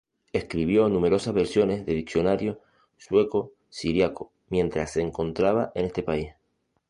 Escribió numerosas versiones de diccionarios sueco-siríaco mientras se encontraba en este país.